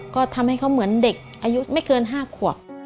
ก็ทำให้เขาเหมือนเด็กอายุไม่เกิน๕ขวบ